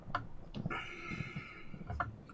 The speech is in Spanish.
Aquí, los puntos son interiores.